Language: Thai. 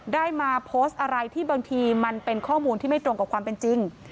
ได้มาโพสต์อะไรที่บางทีมันเป็นข้อมูลที่ไม่ตรงกับความเป็นจริง